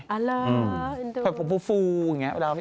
อ่าล่ะเป็นตัวฟูอย่างนี้